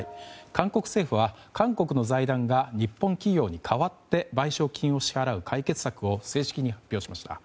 韓国政府は韓国の財団が日本企業に代わって賠償金を支払う解決策を正式に発表しました。